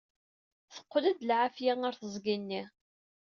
Teqqel-d lɛafya ɣer teẓgi-nni.